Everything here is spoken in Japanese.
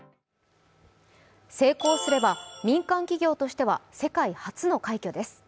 成功すれば民間企業としては世界初の快挙です。